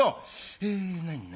え何何？